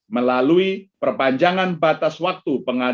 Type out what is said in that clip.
melalui perpanjangan batas waktu